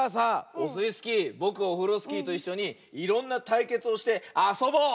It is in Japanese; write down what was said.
オスイスキーぼくオフロスキーといっしょにいろんなたいけつをしてあそぼう！